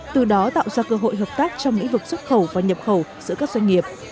từ đó tạo ra cơ hội hợp tác trong lĩnh vực xuất khẩu và nhập khẩu giữa các doanh nghiệp